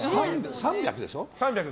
３００でしょ？